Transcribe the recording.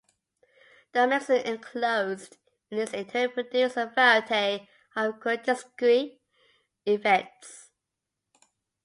The mechanism enclosed in its interior produced a variety of grotesque effects.